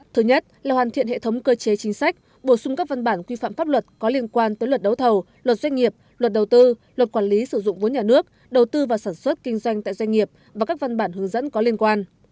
thứ nhất là hoàn thiện hệ thống cơ chế chính sách bổ sung các văn bản quy phạm pháp luật có liên quan tới luật đấu thầu luật doanh nghiệp luật đầu tư luật quản lý sử dụng vốn nhà nước đầu tư và sản xuất kinh doanh tại doanh nghiệp và các văn bản hướng dẫn có liên quan